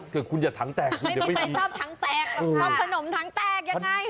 อ๋อเผื่อคุณอย่าถังแตกไม่มีใครชอบถังแตกนะคะขนมถังแตกยังไง